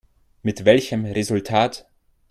Mit welchem Resultat?